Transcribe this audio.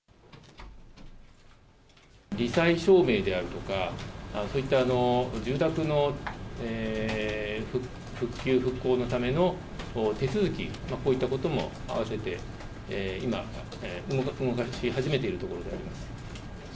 り災証明であるとか、そういった住宅の復旧復興のための手続き、こういったことも併せて今、動かし始めているところでありま